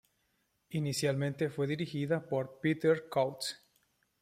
Inicialmente fue dirigida por Peter Cotes.